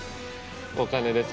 お金です